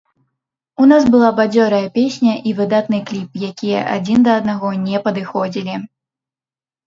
У нас была бадзёрая песня і выдатны кліп, якія адзін да аднаго не падыходзілі.